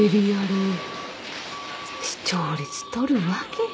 視聴率取るわけよ。